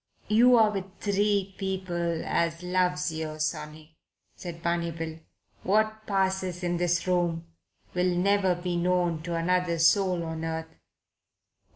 "You're with three people as loves yer, sonny," said Barney Bill. "What passes in this room will never be known to another soul on earth."